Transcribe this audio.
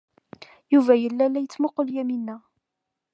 Yuba yella la yettmuqqul Yamina.